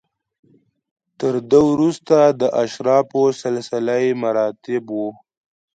تر ده وروسته د اشرافو سلسله مراتب و.